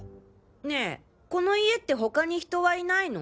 ねぇこの家って他に人はいないの？